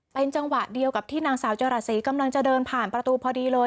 เป็นจังหวะเดียวกับที่นางสาวจรัสศรีกำลังจะเดินผ่านประตูพอดีเลย